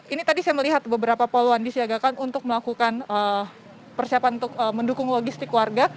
ini tadi saya melihat beberapa poluan disiagakan untuk melakukan persiapan untuk mendukung logistik warga